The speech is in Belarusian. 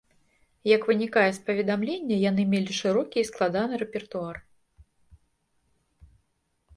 Як вынікае з паведамлення, яны мелі шырокі і складаны рэпертуар.